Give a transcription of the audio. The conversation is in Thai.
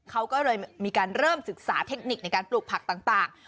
เขาก็เลยมีการเริ่มศึกษาเทคนิคในการปลูกผักต่าง